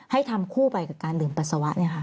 ให้ทำคู่ไปกับการดื่มปัสสาวะ